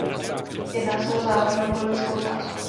Jedná se o závažnou politickou otázku.